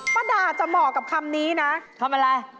ป้าดาจะเหมาะกับคำนี้นะทำอะไร